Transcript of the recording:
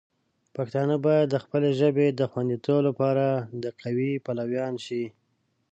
پښتانه باید د خپلې ژبې د خوندیتوب لپاره د قوی پلویان شي.